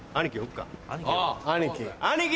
兄貴。